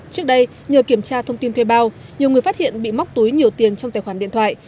trước đây nhờ kiểm tra thông tin thuê bao nhiều người phát hiện bị móc túi nhiều tiền trong tài khoản điện thoại